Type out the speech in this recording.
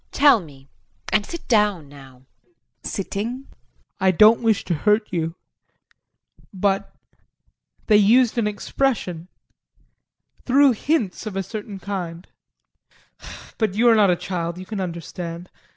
Tell me. And sit down now. JEAN [Sitting]. I don't wish to hurt you, but they used an expression threw hints of a certain kind but you are not a child, you can understand.